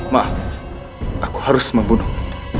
maaf aku harus membunuhmu